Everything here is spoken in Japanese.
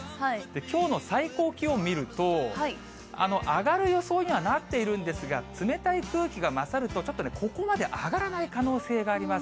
きょうの最高気温見ると、上がる予想にはなっているんですが、冷たい空気が勝ると、ちょっとここまで上がらない可能性があります。